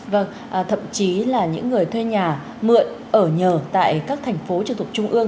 vâng thậm chí là những người thuê nhà mượn ở nhờ tại các thành phố trực thuộc trung ương